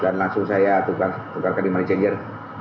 dan langsung saya tukarkan di money changer